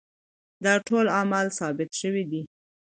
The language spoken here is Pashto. دا ټول اعمال ثابت شوي دي.